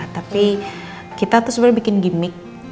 tapi kita tuh sebenarnya bikin gimmick